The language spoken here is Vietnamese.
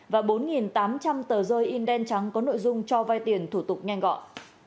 và bốn tám trăm linh tờ rơi in đen trắng có nội dung cho vai tiền thủ tục nhanh gọn